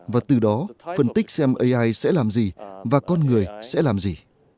và từ đó phân tích xem ai sẽ làm gì và con người sẽ làm gì